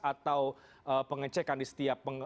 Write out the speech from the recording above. atau pengecekan di setiap